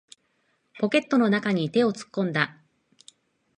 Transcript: ポケットの中に手を突っ込んだ。